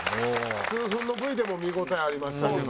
数分のＶでも見応えありましたけど。